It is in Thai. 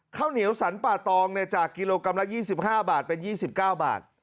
ข้าวเหนียวสันป่าตองจากกิโลกรัมละ๒๕บาทเป็น๒๙บาท